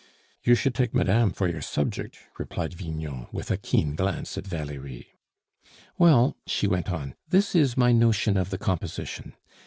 "You should take madame for your subject," replied Vignon, with a keen glance at Valerie. "Well," she went on, "this is my notion of the composition.